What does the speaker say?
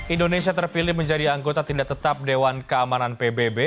indonesia terpilih menjadi anggota tindak tetap dewan keamanan pbb